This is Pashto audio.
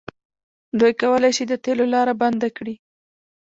دوی کولی شي د تیلو لاره بنده کړي.